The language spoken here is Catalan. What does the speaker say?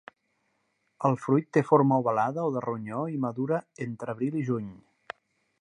El fruit té forma ovalada o de ronyó i madura entre abril i juny.